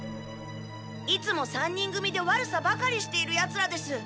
いつも３人組で悪さばかりしているヤツらです。